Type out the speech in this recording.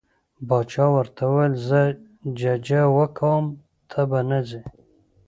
باچا ورته وویل زه ججه ورکوم ته به نه ځې.